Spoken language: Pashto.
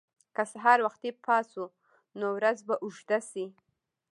که سهار وختي پاڅو، نو ورځ به اوږده شي.